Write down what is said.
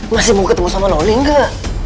masih mau ketemu sama loli enggak